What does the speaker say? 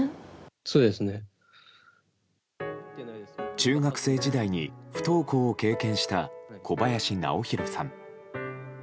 中学生時代に不登校を経験した小林直央さん。